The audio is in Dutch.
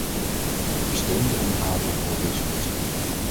Ik steun de onderhavige resolutie.